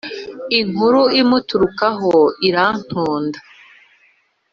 inkuru imuturuka ho irantonda